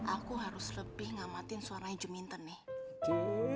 aku harus lebih ngamatin suara jeminten nih